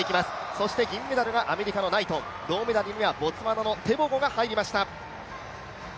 そして銀メダルはアメリカのナイトン、銅メダルにはボツワナのテボゴが入りました。